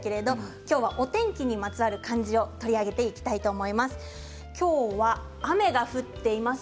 今日はお天気にまつわる漢字を取り上げていきたいと思います。